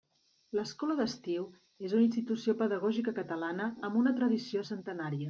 L'Escola d'Estiu és una institució pedagògica catalana amb una tradició centenària.